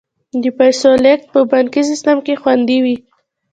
د پیسو لیږد په بانکي سیستم کې خوندي وي.